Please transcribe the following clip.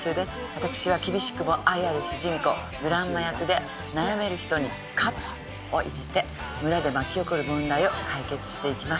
私は厳しくも愛ある主人公グランマ役で悩める人に活を入れて村で巻き起こる問題を解決していきます。